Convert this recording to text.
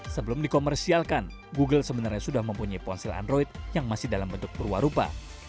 sebelum dikomersialkan google sebenarnya sudah mempunyai ponsel android yang masih dalam bentuk perwarupa